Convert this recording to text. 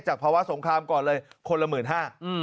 จากภาวะสงครามก่อนเลยคนละ๑๕๐๐๐บาท